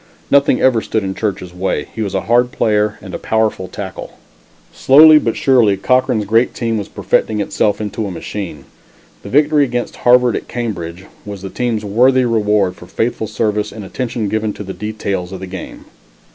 Nothing ever stood in Church's way; he was a hard player, and a powerful tackle. Slowly but surely, Cochran's great team was perfecting itself into a machine. The victory against Harvard at Cambridge was the team's worthy reward for faithful service and attention given to the details of the game.